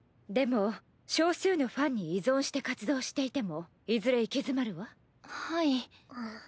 でも少数のファンに依存して活動していてもいずれ行き詰まるわ。